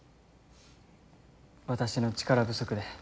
私の力不足で。